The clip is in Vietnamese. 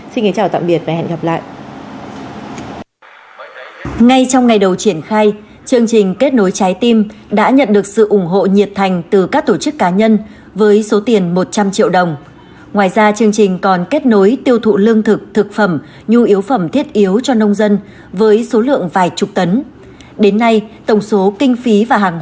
xin kính chào tạm biệt và hẹn gặp lại